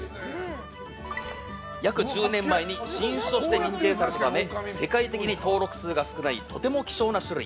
約１０年前に新種として認定されたため世界的に登録数が少ないとても希少な種類。